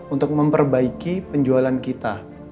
untuk memperbaiki penjualan kita